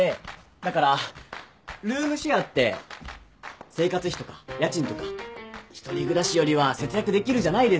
だからルームシェアって生活費とか家賃とか一人暮らしよりは節約できるじゃないですか。